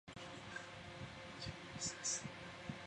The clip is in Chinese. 欧萱也是获奖最多次的得主。